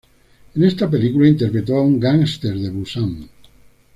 En esta película interpretó a un gángster de Busan.